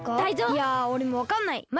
いやおれもわかんない。